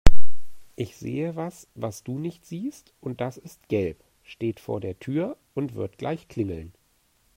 Ich sehe was, was du nicht siehst und das ist gelb, steht vor der Tür und wird gleich klingeln.